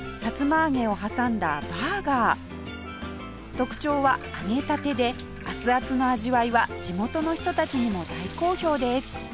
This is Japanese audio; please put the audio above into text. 特徴は揚げたてで熱々の味わいは地元の人たちにも大好評です